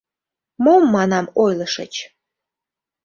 — Мом, манам, ойлышыч?